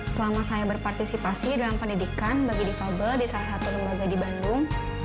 selama saya berpartisipasi dalam pendidikan bagi difabel di salah satu lembaga di bandung